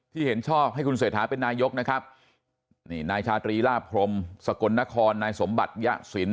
ที่เห็นชอบให้คุณเสธาเป็นนายกนะครับนายชาตรีลาบพรมสนครนายสมบัตยสิน